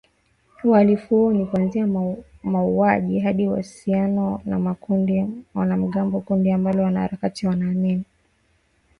Uhalifu huo ni kuanzia mauaji hadi uhusiano na makundi ya wanamgambo, kundi ambalo wanaharakati wanaamini lilijumuisha zaidi ya darzeni tatu za wa shia